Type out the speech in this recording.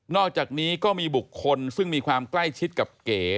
อกจากนี้ก็มีบุคคลซึ่งมีความใกล้ชิดกับเก๋